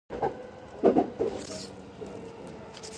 It was taken at the old harbor.